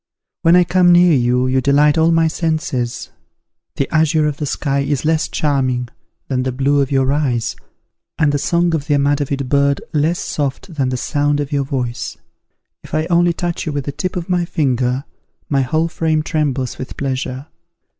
When I come near you, you delight all my senses. The azure of the sky is less charming than the blue of your eyes, and the song of the amadavid bird less soft than the sound of your voice. If I only touch you with the tip of my finger, my whole frame trembles with pleasure.